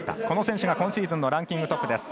この選手が今シーズンのランキングトップ。